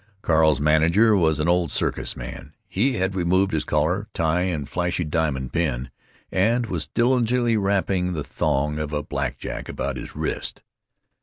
Carl's manager was an old circus man. He had removed his collar, tie, and flashy diamond pin, and was diligently wrapping the thong of a black jack about his wrist.